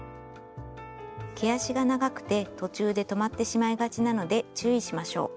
毛足が長くて途中で止まってしまいがちなので注意しましょう。